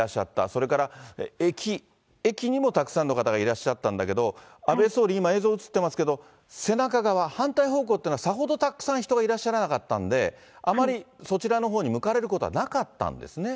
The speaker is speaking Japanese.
それから駅にもたくさんの方がいらっしゃったんだけど、安倍総理、今、映像映ってますけど、背中側、反対方向っていうのは、さほどたくさん人がいらっしゃらなかったんで、あまりそちらのほうに向かれることはなかったんですね。